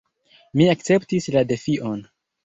Mi akceptis la defion.